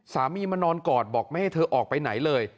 มานอนกอดบอกไม่ให้เธอออกไปไหนเลย